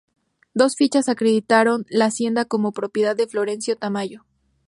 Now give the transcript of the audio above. Dichas fichas acreditan la hacienda como propiedad de Florencio Tamayo.